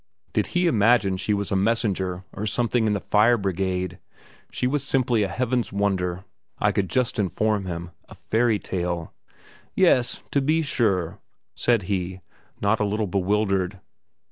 Did he imagine she was a messenger or something in the fire brigade? She was simply a Heaven's wonder, I could just inform him, a fairy tale. "Yes, to be sure!" said he, not a little bewildered.